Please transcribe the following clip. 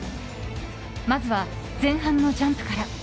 まずは前半のジャンプから。